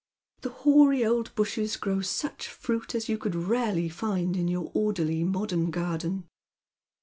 The hoary old bushes grow such fruit as you could rarely find in your orderly modern garden.